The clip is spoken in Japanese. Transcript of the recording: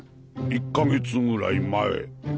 １か月ぐらい前！